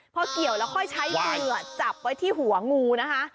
พอเกี่ยวแล้วค่อยใช้เหงื่อจับไว้ที่หัวงูนะคะ